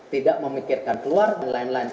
tidak memikirkan keluar dan lain lain